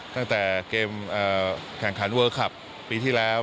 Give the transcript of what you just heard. ตั้งแต่เกมแข่งขันเวอร์คลับปีที่แล้ว